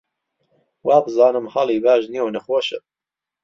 وابزانم حاڵی باش نییە و نەخۆشە